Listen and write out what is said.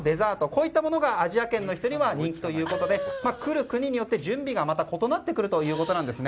こういったものがアジア圏の人には人気ということで来る国によって準備がまた異なってくるということです。